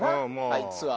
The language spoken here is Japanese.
あいつは。